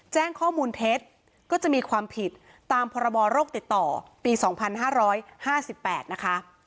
แจ้งข้อมูลเท็จก็จะมีความผิดตามพรบโรคติดต่อปี๒๕๕๘นะคะ